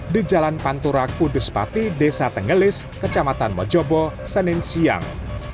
di jalan pantura kudus pati desa tenggelis kecamatan mojobo senin siang